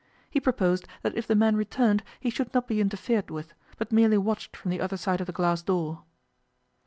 He proposed that if the man returned he should not be interfered with, but merely watched from the other side of the glass door.